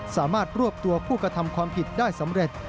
รวบตัวผู้กระทำความผิดได้สำเร็จ